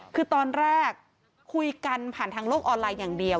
คือตอนแรกคุยกันผ่านทางโลกออนไลน์อย่างเดียว